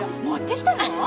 持ってきたの！？